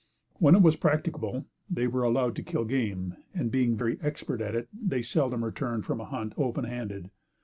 When it was practicable, they were allowed to kill game; and, being very expert at it, they seldom returned from a hunt open handed.